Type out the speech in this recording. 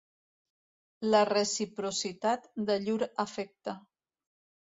La reciprocitat de llur afecte.